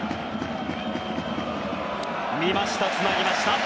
見ました、つなぎました。